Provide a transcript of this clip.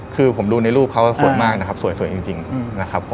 คือผมดูในรูปเขาสวยมากนะครับสวยจริงนะครับผม